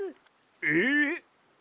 えっ！？